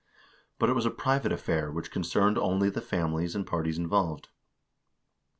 But it was a private affair which concerned only the families and parties involved.